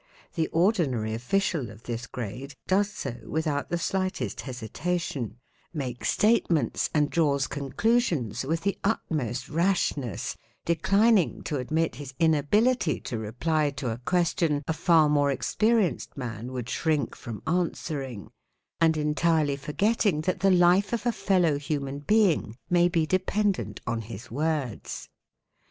The ordinary official of this grade does so _ without the slightest hesitation, makes statements and draws conclusions with the utmost rashness, declining to admit his inability to reply to a question a far more experienced man would shrink from answering, and entirely forgetting that the life of a fellow human being may be dependent on his words.